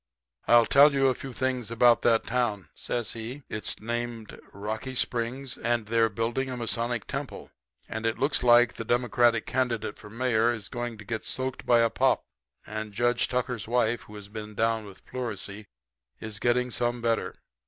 "'I'll tell you a few things about that town,' says he. 'It's named Rocky Springs, and they're building a Masonic temple, and it looks like the Democratic candidate for mayor is going to get soaked by a Pop, and Judge Tucker's wife, who has been down with pleurisy, is getting some better.